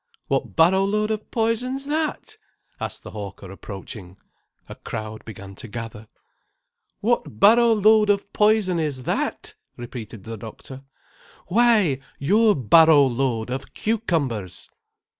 "What barrow load of poison's that?" asked the hawker, approaching. A crowd began to gather. "What barrow load of poison is that!" repeated the doctor. "Why your barrow load of cucumbers."